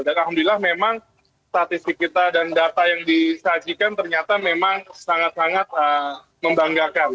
dan alhamdulillah memang statistik kita dan data yang disajikan ternyata memang sangat sangat membanggakan